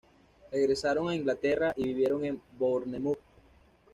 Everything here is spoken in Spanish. Regresaron a Inglaterra y vivieron en Bournemouth.